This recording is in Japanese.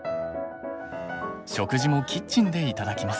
食事もキッチンで頂きます。